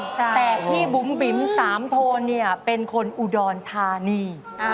แต่ที่บุ้มบิ๋มสามโทนเป็นคนอุดอดทานี